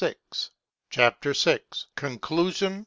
CHAPTER VI CONCLUSION.